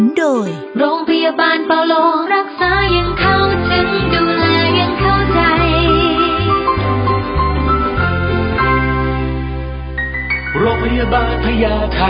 โรคพยาบาลพญาไทย